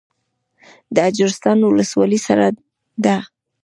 د اجرستان ولسوالۍ سړه ده